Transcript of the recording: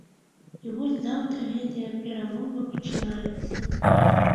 І вось заўтра гэтыя перамовы пачынаюцца.